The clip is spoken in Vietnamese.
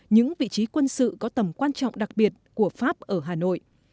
những vị trí quân sự có tầm quan trọng đặc biệt của pháp ở hà nội